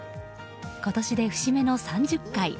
今年で節目の３０回。